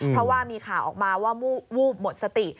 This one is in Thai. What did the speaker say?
เพราะว่ามีข่าวออกมาว่าวูบหมดสติ